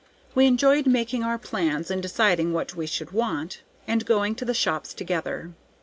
We enjoyed making our plans, and deciding what we should want, and going to the shops together.